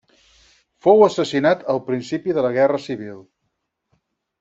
Fou assassinat al principi de la Guerra Civil.